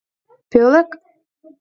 Пӧлек?